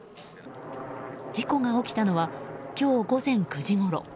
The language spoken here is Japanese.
事故が起きたのは今日午前９時ごろ。